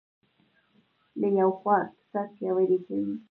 له یوې خوا اقتصاد پیاوړی کوي.